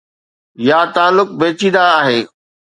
يا تعلق پيچيده آهي.